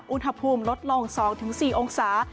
อุณหภูมิลดลง๒๔องศา